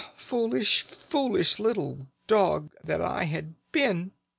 Foolish, foolish little dog that I had been!